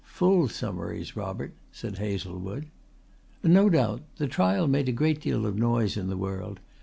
"Full summaries, Robert," said Hazlewood. "No doubt. The trial made a great deal of noise in the world.